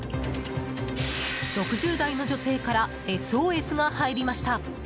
６０代の女性からＳＯＳが入りました。